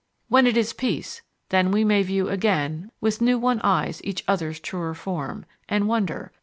When it is peace, then we may view again With new won eyes each other's truer form And wonder.